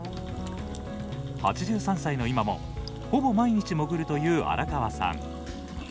８３歳の今もほぼ毎日潜るという荒川さん。